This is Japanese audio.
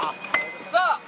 さあ。